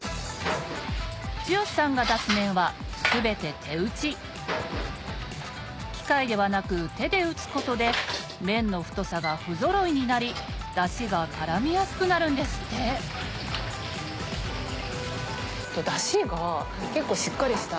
つよ志さんが出す麺は全て手打ち機械ではなく手で打つことで麺の太さがふぞろいになり出汁が絡みやすくなるんですって出汁が結構しっかりした？